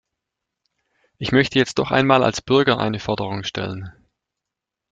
Ich möchte jetzt jedoch einmal als Bürger eine Forderung stellen.